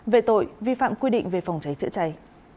về tội vi phạm quy định về phòng cháy chữa cháy